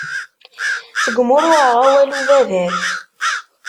Seg-mi ur uɣeɣ awal ubabat.